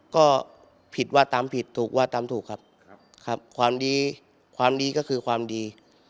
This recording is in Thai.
ก็ผิดว่าตามผิดถูกว่าตามถูกครับครับความดีความดีก็คือความดี